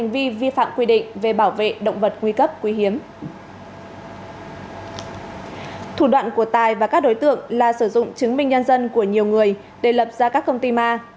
thủ đoạn của tài và các đối tượng là sử dụng chứng minh nhân dân của nhiều người để lập ra các công ty ma